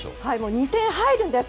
２点入るんです！